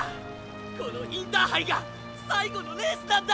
このインターハイが最後のレースなんだ！